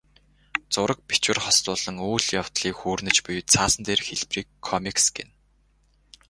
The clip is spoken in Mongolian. Зураг, бичвэр хослуулан үйл явдлыг хүүрнэж буй цаасан дээрх хэлбэрийг комикс гэнэ.